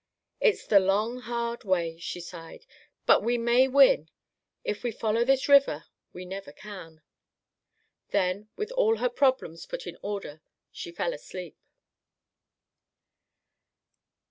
"It's the long, hard way," she sighed, "but we may win. If we follow this river we never can." Then, with all her problems put in order, she fell asleep.